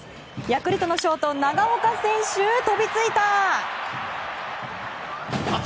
ヤクルトのショート長岡選手、飛びついた！